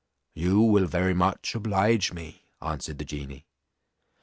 "You will very much oblige me," answered the genie.